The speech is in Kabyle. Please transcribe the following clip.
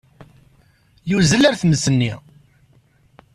Yuzzel ɣer tmes-nni.